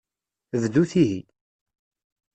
Bdut ihi.